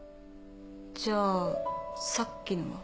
じゃあさっきのは？